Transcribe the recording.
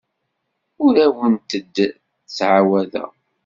Ur awent-d-ttɛawadeɣ.